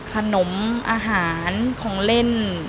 ขนมอาหารของเล่น